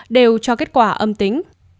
đều cho kết quả âm tính